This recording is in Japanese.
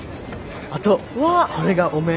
あとこれがお面。